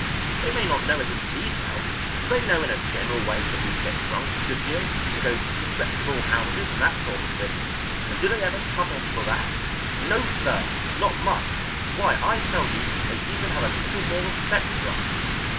They may not know it in detail, but they know in a general way that we get drunk a good deal and go to disreputable houses and that sort of thing, and do they ever cut us for that? No, sir; not much. Why, I tell you, they even have a little more respect for us.